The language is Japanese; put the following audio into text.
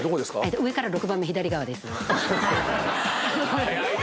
上から６番目左側です。